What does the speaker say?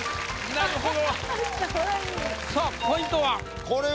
なるほど。